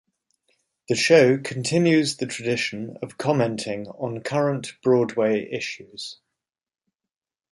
The show continues the tradition of commenting on current Broadway issues.